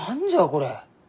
これ。